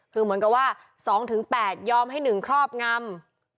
คือเหมือนกับว่า๒๘ยอมให้๑ครอบงำ